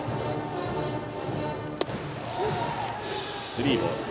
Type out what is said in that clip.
スリーボール。